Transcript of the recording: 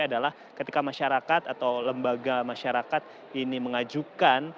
adalah ketika masyarakat atau lembaga masyarakat ini mengajukan